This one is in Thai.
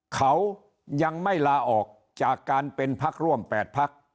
เขายังไม่ลาออกจากการเป็นพักร่วม๘พัก